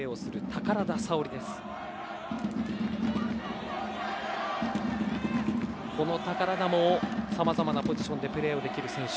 宝田もさまざまなポジションでプレーできる選手。